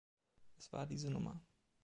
Es war diese Nummer.